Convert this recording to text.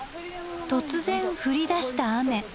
突然降りだした雨。